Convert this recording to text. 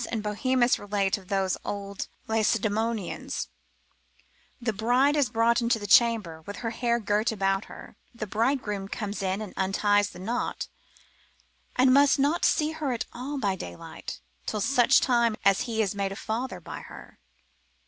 and Bohemus relate of those old Lacedaemonians, the bride is brought into the chamber, with her hair girt about her, the bridegroom comes in and unties the knot, and must not see her at all by daylight, till such time as he is made a father by her.